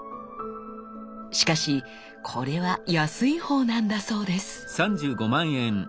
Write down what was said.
しかしこれは安いほうなんだそうです。